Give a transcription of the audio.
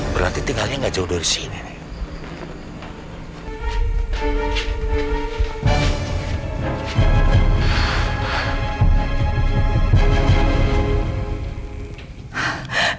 berarti tinggalnya gak jauh dari sini nih